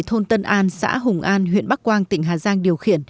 thôn tân an xã hùng an huyện bắc quang tỉnh hà giang điều khiển